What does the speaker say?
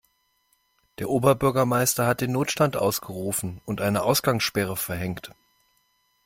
Der Oberbürgermeister hat den Notstand ausgerufen und eine Ausgangssperre verhängt.